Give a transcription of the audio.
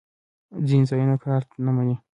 ځینې ځایونه کارت نه منی